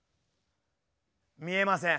見えません。